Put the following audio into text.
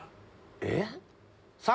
えっ？